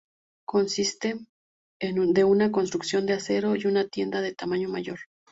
Consiste de una construcción de acero y una tienda de tamaño mayor.